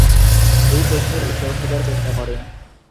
এই প্রশ্নের উত্তর খোঁজার চেষ্টা করে।